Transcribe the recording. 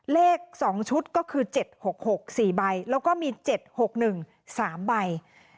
เลข๒ชุดก็คือ๗๖๖๔ใบแล้วก็มี๗๖๑๓ใบ